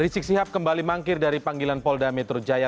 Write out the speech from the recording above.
rizik sihab kembali mangkir dari panggilan polda metro jaya